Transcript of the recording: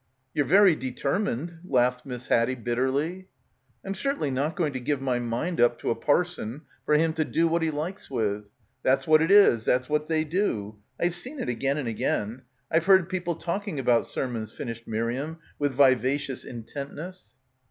"You're very determined," laughed N^iss Had die bitterly. "I'm certainly not going to give my mind up to a parson for him to do what he likes with. That's what it is. That's what they do. I've seen it again and again. I've heard people talk ing about sermons," finished Miriam with viva cious intentness.